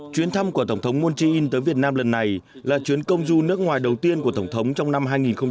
chuyến thăm của tổng thống moon jae in tới việt nam lần này là chuyến công du nước ngoài đầu tiên của tổng thống trong năm hai nghìn một mươi chín